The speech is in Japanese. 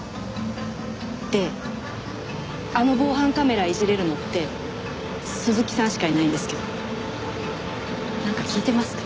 であの防犯カメラいじれるのって鈴木さんしかいないんですけどなんか聞いてますか？